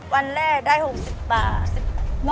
วันแรกได้๖๐บาท